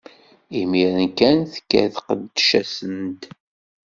Imiren kan, tekker teqdec-asen-d.